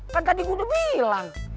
kan tadi udah bilang